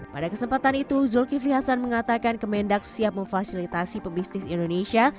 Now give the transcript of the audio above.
pada kesempatan itu zulkifli hasan mengatakan kemendak siap memfasilitasi pebisnis indonesia